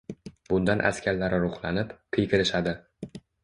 Bundan askarlari ruhlanib, qiyqirishadi